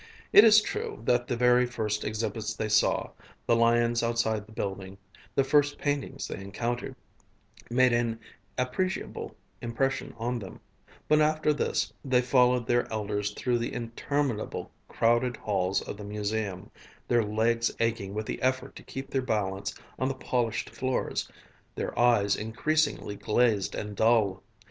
It is true that the very first exhibits they saw, the lions outside the building, the first paintings they encountered, made an appreciable impression on them; but after this they followed their elders through the interminable crowded halls of the museum, their legs aching with the effort to keep their balance on the polished floors, their eyes increasingly glazed and dull.